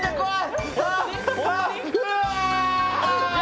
はい。